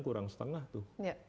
kurang setengah tuh